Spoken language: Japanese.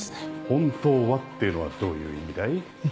「本当は」っていうのはどういう意味だい？